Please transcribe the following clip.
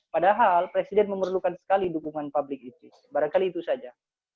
padahal presiden memerlukan sekali dukungan publik isis barangkali itu saja